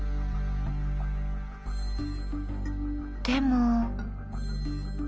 でも。